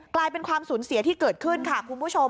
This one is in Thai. กลายเป็นความสูญเสียที่เกิดขึ้นค่ะคุณผู้ชม